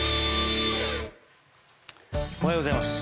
おはようございます。